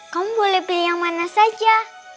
kamu boleh pilih yang mana saja